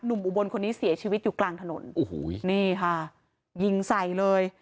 อุบลคนนี้เสียชีวิตอยู่กลางถนนโอ้โหนี่ค่ะยิงใส่เลย